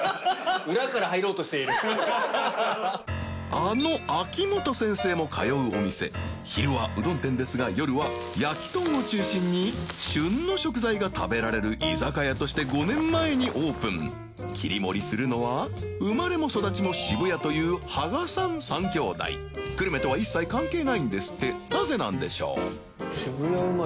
あの秋元先生も通うお店昼はうどん店ですが夜は焼きとんを中心に椶凌爐戮蕕譴居酒屋として５年前にオープン切り盛りするのは生まれも育ちも渋谷というР譴気鵤海腓Δ世久留米とは貔関係ないんですってなぜなんでしょう？